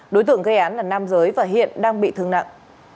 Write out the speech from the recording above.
đối tượng gây án là nam giới và hiện đang bị thương nặng